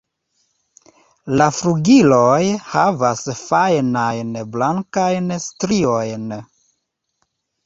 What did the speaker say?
La flugiloj havas fajnajn blankajn striojn.